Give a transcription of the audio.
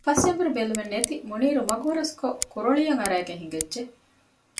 ފަސްއެނބުރި ބެލުމެއް ނެތި މުނީރު މަގު ހުރަސްކޮށް ކުރޮޅިއަކަށް އަރައިގެން ހިނގައްޖެ